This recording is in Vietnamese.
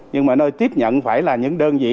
nhưng mà nơi tiếp nhận phải là những đơn vị